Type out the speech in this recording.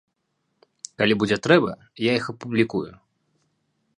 Калі будзе трэба, я іх апублікую.